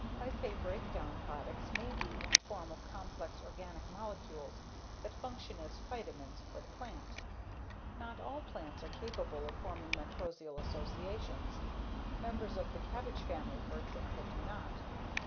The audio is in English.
Hyphae breakdown products may be in the form of complex organic molecules that function as phytamins for the plant. Not all plants are capable of forming mycorrhizal associations. Members of the cabbage family, for example, do not.